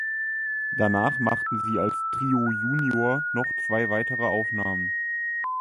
Danach machten sie als "Trio Junior" noch zwei weitere Aufnahmen.